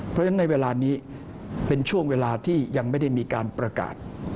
เพราะฉะนั้นในเวลานี้เป็นช่วงเวลาที่ยังไม่ได้มีการประกาศ